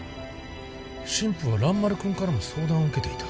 神父は蘭丸君からも相談を受けていた。